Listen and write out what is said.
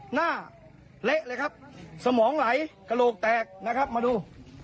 เละเลยครับสมองไหลกระโหลกแตกนะครับมาดู